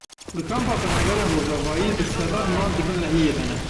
Li kampa penaberên Rojavayî bi sedan mal di bin lehiyê de.